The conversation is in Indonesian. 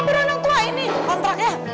eh pak berunang tua ini kontraknya